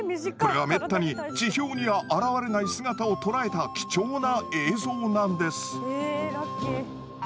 これはめったに地表には現れない姿を捉えた貴重な映像なんです。